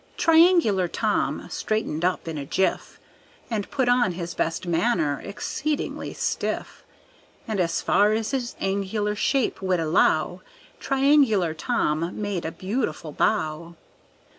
Triangular Tom straightened up in a jiff, And put on his best manner exceedingly stiff; And as far as his angular shape would allow Triangular Tom made a beautiful bow.